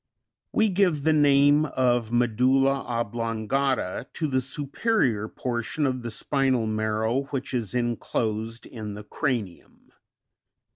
16. We give the name of medulla oblongata, to the superior portion of the spinal marrow which is enclosed in the cranium.